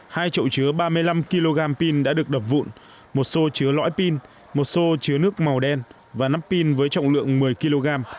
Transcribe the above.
hai chậu chứa ba mươi năm kg pin đã được đập vụn một xô chứa lõi pin một xô chứa nước màu đen và năm pin với trọng lượng một mươi kg